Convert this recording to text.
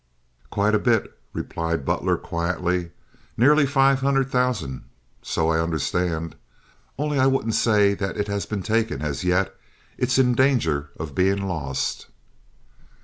"Quite a bit," replied Butler, quietly. "Nearly five hundred thousand, so I understand. Only I wouldn't say that it has been taken as yet. It's in danger of being lost."